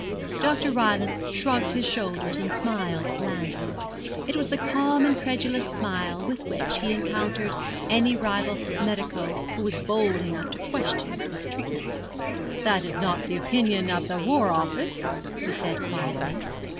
Dr. Rylance shrugged his shoulders and smiled blandly. It was the calm, incredulous smile with which he encountered any rival medico who was bold enough to question his treatment. 'That is not the opinion of the War Office,' he said quietly.